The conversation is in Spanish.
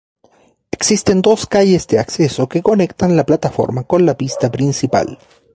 Existen dos calles de acceso que conectan la plataforma con la pista principal.